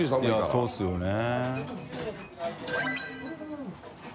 いやそうですよね。